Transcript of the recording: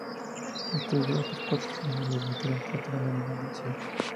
Estudió otros cuatro años de licenciatura en Teatro, en la misma universidad.